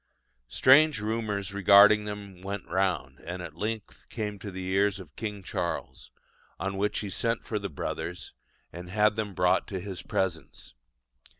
Strange rumours regarding them went round, and at length came to the ears of King Charles; on which he sent for the brothers, and had them brought to his presence.